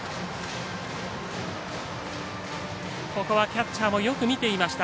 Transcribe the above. ここはキャッチャーもよく見ていました。